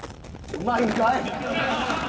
うまいんかい！